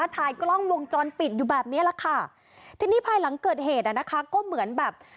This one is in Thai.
ทีนี้ภายหลังเกิดเหตุก็เหมือนแบบ